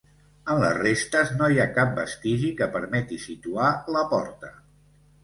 En les restes no hi ha cap vestigi que permeti situar la porta.